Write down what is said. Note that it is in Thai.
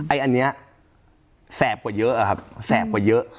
อันนี้แสบกว่าเยอะอะครับแสบกว่าเยอะ